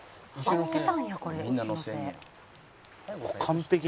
「合ってたんやこれ石のせ」